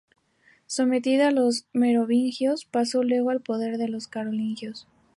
Sometida a los merovingios, pasó luego al poder de los carolingios.